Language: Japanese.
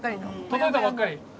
届いたばっかり。